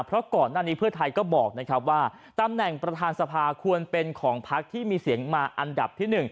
เพราะก่อนหน้านี้เพื่อไทยก็บอกนะครับว่าตำแหน่งประธานสภาควรเป็นของพักที่มีเสียงมาอันดับที่๑